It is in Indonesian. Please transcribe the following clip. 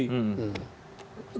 gerakan moral seperti apa